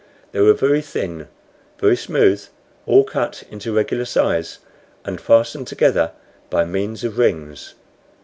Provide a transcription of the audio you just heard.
They were very thin, very smooth, all cut into regular size, and fastened together by means of rings.